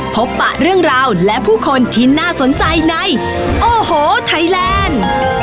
ปะเรื่องราวและผู้คนที่น่าสนใจในโอ้โหไทยแลนด์